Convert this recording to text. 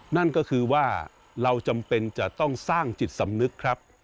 นั่นก็คือว่าเราจำเป็นจะต้องสร้างจิตสำนึกครับ